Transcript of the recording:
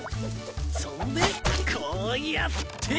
そんでこうやって。